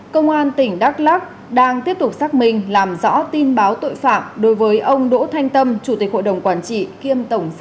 công an tỉnh đắk lắk đang tiếp tục xác minh làm rõ tin báo tội phạm đối với ông đỗ thanh tâm chủ tịch hội đồng quản lý